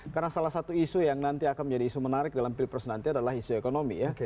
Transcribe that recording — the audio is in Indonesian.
karena salah satu isu yang nanti akan menjadi isu menarik dalam pilpres nanti adalah isu ekonomi ya